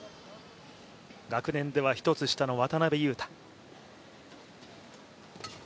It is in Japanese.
学年では１つ下の渡辺勇大。